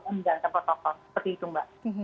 dan menjaga protokol seperti itu mbak